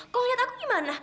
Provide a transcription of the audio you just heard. kau liat aku gimana